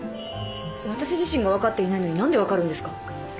私自身が分かっていないのに何で分かるんですか？